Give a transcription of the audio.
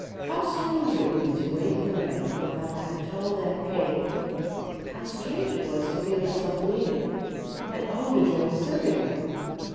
How strange it would be to wake in the night, without that dull, dead pain! How strange it was to feel herself needed, and oh, the joy of serving him!